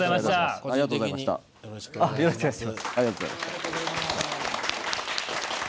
ありがとうございます。